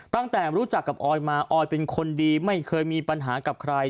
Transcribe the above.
ตั้งแต่รู้จักกับออยมาออยเป็นคนดีไม่เคยมีปัญหากับใคร